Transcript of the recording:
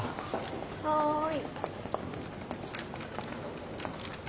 はい。